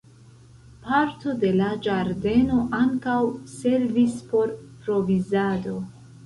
Parto de la ĝardeno ankaŭ servis por provizado.